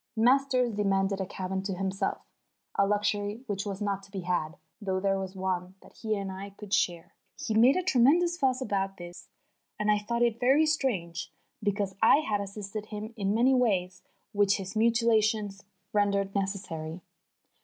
Masters demanded a cabin to himself, a luxury which was not to be had, though there was one that he and I could share. He made a tremendous fuss about doing this, and I thought it very strange, because I had assisted him in many ways which his mutilation rendered necessary.